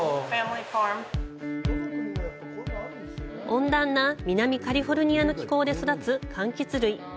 温暖な南カリフォルニアの気候で育つかんきつ類。